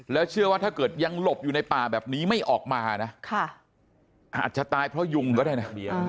แล้วเชื่อว่าถ้าเกิดยังหลบอยู่ในป่าแบบนี้ไม่ออกมานะอาจจะตายเพราะยุงก็ได้นะ